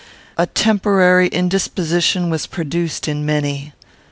A temporary indisposition was produced in many.